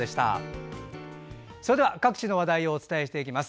それでは各地の話題をお伝えしていきます。